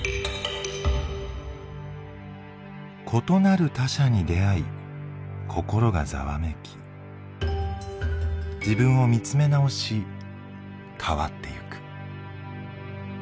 異なる他者に出会い心がざわめき自分を見つめ直し変わってゆく。